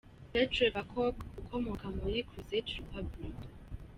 Petr Vakoc ukomoka muri Czech Republic.